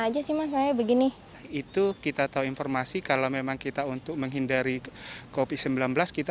aja sih mas saya begini itu kita tahu informasi kalau memang kita untuk menghindari kopi sembilan belas kita